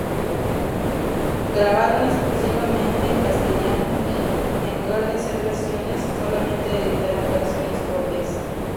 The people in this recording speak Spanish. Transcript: Grabaron exclusivamente en castellano y, en lugar de hacer versiones, solamente editaron canciones propias.